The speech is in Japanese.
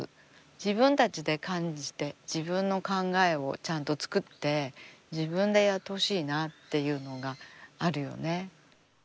自分たちで感じて自分の考えをちゃんと作って自分でやってほしいなっていうのがあるよね。